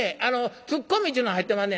ツッコミっちゅうの入ってまんねん。